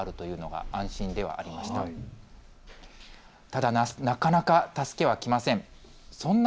ただ、なかなか助けは来ません。